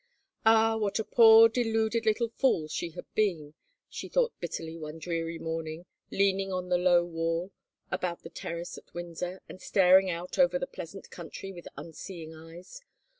Ah, what a poor deluded little fool she had been, she thought bitterly one dreary morning, leanmg on the low wall about the terrace at Windsor and staring out over the pleasant country with unseeing eyes.